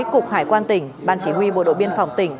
cục hải quan tỉnh ban chỉ huy bộ đội biên phòng tỉnh